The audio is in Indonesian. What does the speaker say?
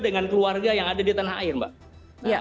dengan keluarga yang ada di tanah air mbak